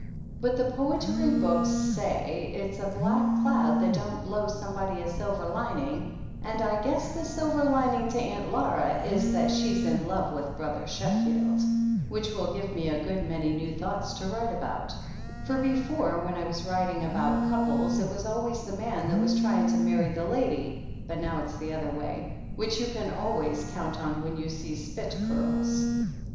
But the poetry books say it's a black cloud that don't blow somebody a silver lining, and I guess the silver lining to Aunt Laura is that she's in love with Brother Sheffield, which will give me a good many new thoughts to write about; for before when I was writing about couples it was always the man that was trying to marry the lady, but now it's the other way, which you can always count on when you see spit curls.